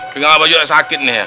tinggal aba juga sakit nih